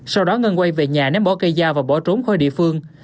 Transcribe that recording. sau đó ngân quay về nhà ném bỏ cây dao và bỏ trốn khỏi địa phương